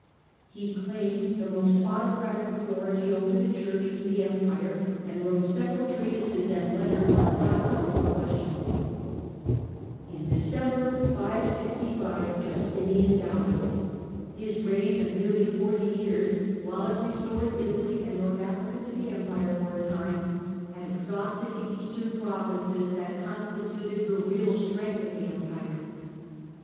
He claimed the most autocratic authority tutions JUSTINIAN 61 over the Church in the Empire and wrote several treatises and letters on doctrinal questions. /In December, 565, Justinian died. His reign of nearly forty years, while it had restored Italy and North Airica to the Empire for a time, had exhausted the Eastern provinces that constituted the real strength 3f the Empire.